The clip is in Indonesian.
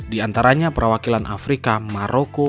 diantaranya perwakilan afrika maroko